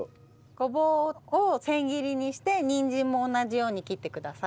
ごぼうを千切りにしてにんじんも同じように切ってください。